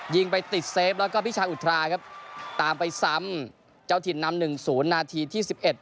ยิงไปติดเซฟแล้วก็พิชาอุทราครับตามไปซ้ำเจ้าถิ่นนำหนึ่งศูนย์นาทีที่สิบเอ็ด